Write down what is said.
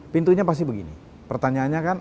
pintunya pasti begini pertanyaannya kan